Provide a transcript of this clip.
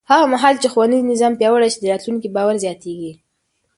هغه مهال چې ښوونیز نظام پیاوړی شي، د راتلونکي باور زیاتېږي.